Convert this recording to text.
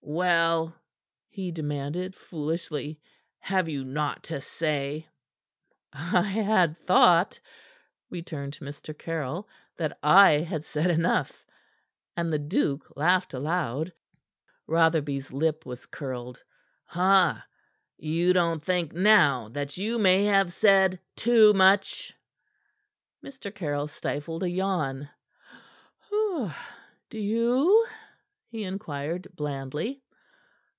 "Well?" he demanded foolishly, "have you naught to say?" "I had thought," returned Mr. Caryll, "that I had said enough." And the duke laughed aloud. Rotherby's lip was curled. "Ha! You don't think, now, that you may have said too much?" Mr. Caryll stifled a yawn. "Do you?" he inquired blandly.